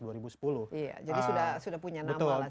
jadi sudah punya nama